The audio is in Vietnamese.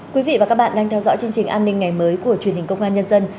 quý vị và các bạn đang theo dõi chương trình an ninh ngày mới của truyền hình công an nhân dân